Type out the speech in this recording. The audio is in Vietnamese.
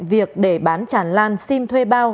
việc để bán tràn lan sim thuê bao